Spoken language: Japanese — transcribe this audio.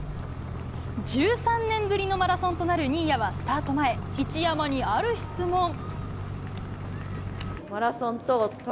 １３年ぶりのマラソンとなる新谷はスタート前一山にある質問。